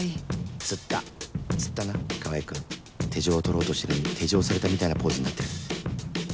つったつったな川合君手錠を取ろうとしてるのに手錠されたみたいなポーズになってる